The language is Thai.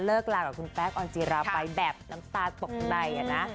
ลากับคุณแป๊กออนจิราไปแบบน้ำตาตกใจนะ